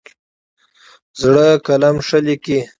زړه قلم ښه لیکي.